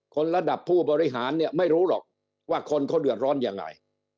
ระดับผู้บริหารเนี่ยไม่รู้หรอกว่าคนเขาเดือดร้อนยังไง